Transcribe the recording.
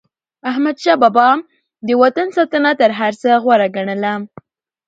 احمدشاه بابا به د وطن ساتنه تر هر څه غوره ګڼله.